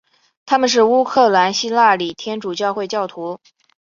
他们是乌克兰希腊礼天主教会教徒。